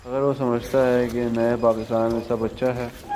اگر وہ سمجھتا ہے کہ نئے پاکستان میں سب اچھا ہے۔